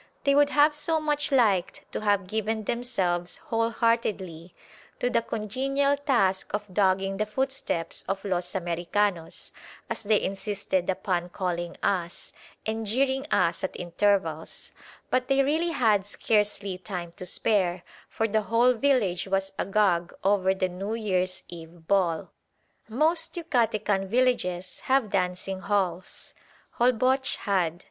They would have so much liked to have given themselves wholeheartedly to the congenial task of dogging the footsteps of "los Americanos," as they insisted upon calling us, and jeering us at intervals; but they really had scarcely time to spare, for the whole village was agog over the New Year's Eve Ball. Most Yucatecan villages have dancing halls; Holboch had.